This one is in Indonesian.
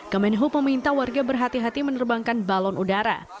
kemenhub meminta warga berhati hati menerbangkan balon udara